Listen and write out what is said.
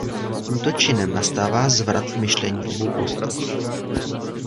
Tímto činem nastává zvrat v myšlení obou postav.